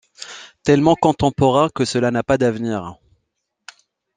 Tellement contemporain que cela n'a pas d'avenir.